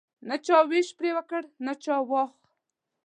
نه چا ویش پر وکړ نه چا واخ.